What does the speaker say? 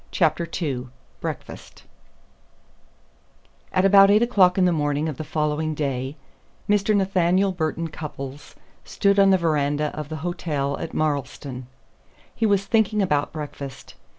CHAPTER II BREAKFAST At about eight o'clock in the morning of the following day Mr. Nathaniel Burton Cupples stood on the veranda of the hotel at Marlstone. He was thinking about breakfast.